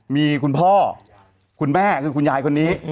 มีคุณพ่อคุณแม่คือคุณยายคนนี้